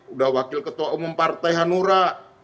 udah wakil ketua umum partai hanura